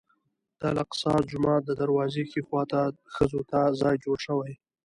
د الاقصی جومات د دروازې ښي خوا ته ښځو ته ځای جوړ شوی.